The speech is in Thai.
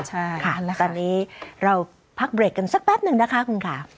ใช่ค่ะตอนนี้เราพักเบรกกันสักแป๊บหนึ่งนะคะคุณค่ะ